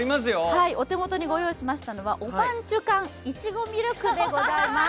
お手元にご用意しましたのはおぱんちゅ缶いちごみるくでございます。